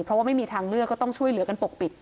เพราะว่าไม่มีทางเลือกก็ต้องช่วยเหลือกันปกปิด